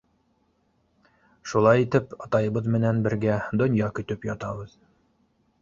Шулай итеп атайыбыҙ менән бергә донъя көтөп ятабыҙ.